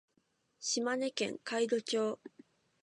島根県海士町